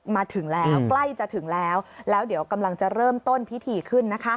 มาถึงแล้วใกล้จะถึงแล้วแล้วเดี๋ยวกำลังจะเริ่มต้นพิธีขึ้นนะคะ